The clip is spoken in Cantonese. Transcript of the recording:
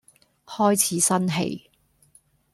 開始生氣